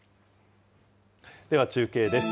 では中継です。